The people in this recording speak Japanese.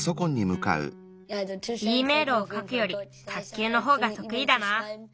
Ｅメールをかくより卓球のほうがとくいだな。